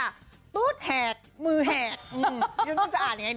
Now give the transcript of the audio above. สุดเหงามือเหงา